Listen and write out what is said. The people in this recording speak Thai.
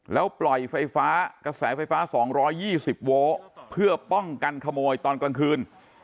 แล้วปล่อยไฟฟ้ากระแสไฟฟ้า๒๒๐โวลต์เพื่อป้องกันขโมยตอนกลางคืน